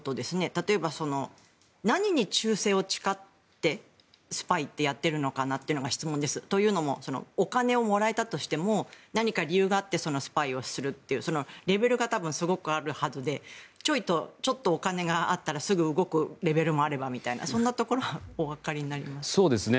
例えば、何に忠誠を誓ってスパイをやっているのかが質問です。というのもお金をもらえたとしても何か理由があってスパイをするっていうレベルがすごくあるはずでちょっとお金があったらすぐ動くもあればというそんなところはおわかりになりますか。